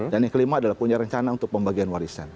dan yang kelima adalah punya rencana untuk pembagian warisan